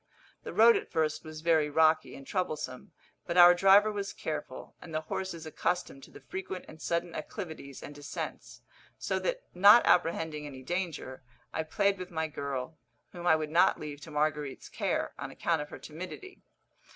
The road at first was very rocky and troublesome, but our driver was careful, and the horses accustomed to the frequent and sudden acclivities and descents; so that, not apprehending any danger, I played with my girl, whom I would not leave to Marguerite's care, on account of her timidity.